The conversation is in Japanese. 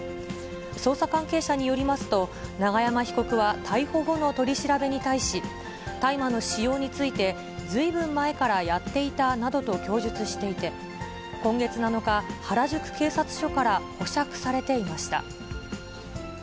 捜査関係者によりますと、永山被告は、逮捕後の取り調べに対し、大麻の使用について、ずいぶん前からやっていたなどと供述していて、今月７日、原宿警察署から保釈されていました。